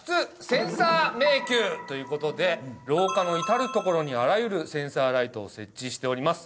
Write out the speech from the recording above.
センサー迷宮」という事で廊下の至る所にあらゆるセンサーライトを設置しております。